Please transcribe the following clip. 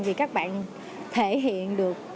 vì các bạn thể hiện được